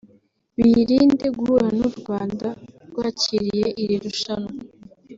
biyirinde guhura n’u Rwanda rwakiriye iri rushanwa